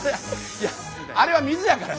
いやあれは水やからさ。